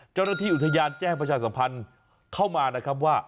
เจ้าหน้าที่อุทยานแจ้งประชาสัมพันธ์เข้ามานะครับว่า